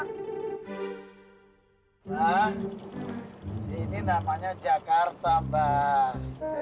nah ini namanya jakarta mbak